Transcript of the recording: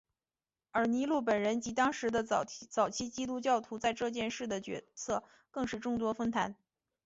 而尼禄本人及当时的早期基督教徒在这件事的角色更是众说纷纭。